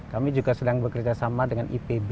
kami juga sedang bekerjasama dengan ipb dan itb